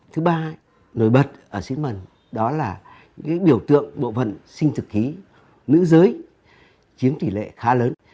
thứ ba nổi bật ở xín mần đó là những biểu tượng bộ phận sinh thực khí nữ giới chiếm tỷ lệ khá lớn